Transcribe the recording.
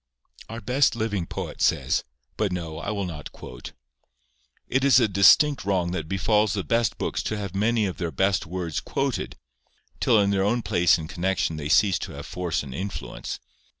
Our best living poet says—but no; I will not quote. It is a distinct wrong that befalls the best books to have many of their best words quoted till in their own place and connexion they cease to have force and influence.